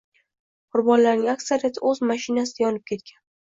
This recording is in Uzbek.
Qurbonlarning aksariyati o‘z mashinasida yonib ketgan